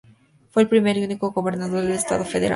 Fue el primer y único gobernador del estado federal.